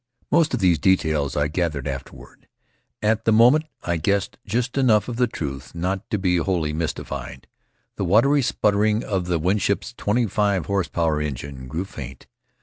Most of these details I gathered afterward. At the moment I guessed just enough of the truth not to be wholly mystified. The watery sputtering of the Winship's twenty five horse power engine grew faint.